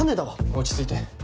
落ち着いて。